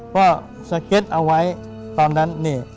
ก็สเก็ตเอาไว้ตอนนั้นนี่